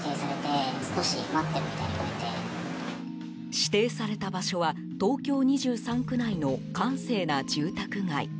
指定された場所は東京２３区内の閑静な住宅街。